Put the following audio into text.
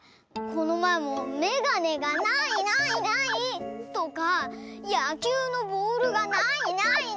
このまえも「めがねがないないない」とか「やきゅうのボールがないないない」とかいってたよね？